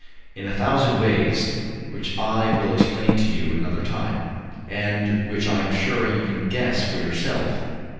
"In a thousand ways which I will explain to you another time, and which I am sure you can guess for yourself.